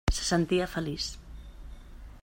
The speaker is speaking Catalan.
Se sentia feliç.